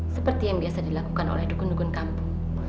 seperti yang biasa dilakukan oleh dukun dukun kampung